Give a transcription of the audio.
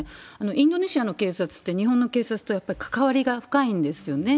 インドネシアの警察って、日本の警察とやっぱり関わりが深いんですよね。